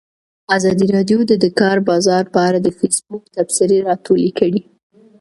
ازادي راډیو د د کار بازار په اړه د فیسبوک تبصرې راټولې کړي.